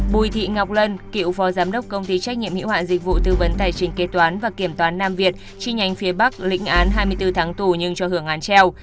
bùi thị ngọc lân cựu phó giám đốc công ty trách nhiệm hiệu hạn dịch vụ tư vấn tài chính kế toán và kiểm toán nam việt chi nhánh phía bắc lĩnh án hai mươi bốn tháng tù nhưng cho hưởng án treo